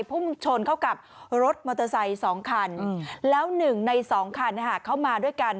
พุ่งชนเข้ากับรถมอเตอร์ไซค์๒คันแล้ว๑ใน๒คันเข้ามาด้วยกัน